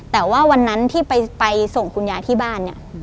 แต่ว่าวันนั้นที่ไปส่งคุณยายที่บ้านเนี่ย